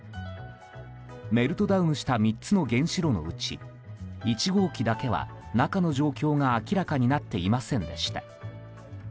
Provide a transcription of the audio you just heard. メルトダウンした３つの原子炉のうち１号機だけは中の状況が明らかになっていませんでした。